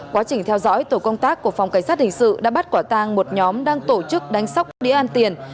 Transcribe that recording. quá trình theo dõi tổ công tác của phòng cảnh sát hình sự đã bắt quả tang một nhóm đang tổ chức đánh sóc đi ăn tiền